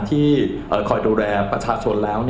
ที่คอยดูแลประชาชนแล้ว